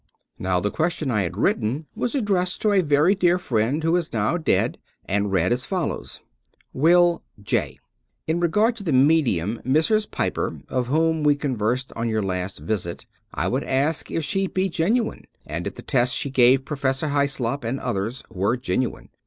'* Now, the question I had written was addressed to a very dear friend who is now dead, and read as follows :" Will J : In regard to the medium, Mrs. Piper, of whom we conversed on your last visit, I would ask if she be genuine, and if the tests she gave Professor Hyslop and others were genuine.